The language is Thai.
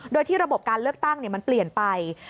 โดยที่ระบบการเลือกตั้งมันเปลี่ยนไป